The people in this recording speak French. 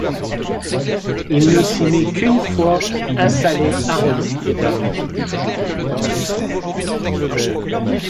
Il ne s'y met qu'une fois installé à Redon.